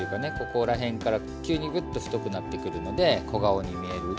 ここら辺から急にグッと太くなってくるので小顔に見える。